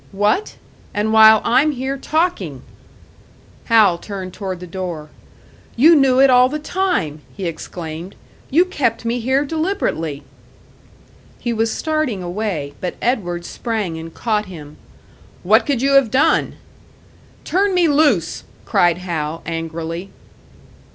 "What? And while I'm here talking!" Hal turned toward the door. "You knew it all the time!" he exclaimed. "You kept me here deliberately!" He was starting away, but Edward sprang and caught him. "What could you have done?" "Turn me loose!" cried Hal, angrily.